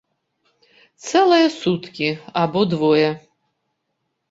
Цэлыя суткі або двое.